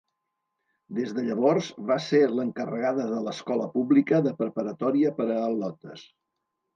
Des de llavors, va ser l’encarregada de l’escola pública de preparatòria per a al·lotes.